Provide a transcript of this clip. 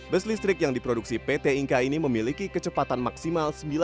bus listrik yang diproduksi pt inka ini memiliki kecepatan maksimal